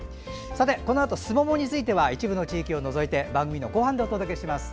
このあとすももについては一部の地域を除いて番組後半でお届けします。